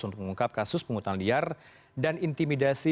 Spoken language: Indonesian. untuk mengungkap kasus penghutang liar dan intimidasi